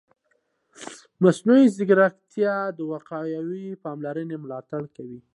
مصنوعي ځیرکتیا د وقایوي پاملرنې ملاتړ کوي.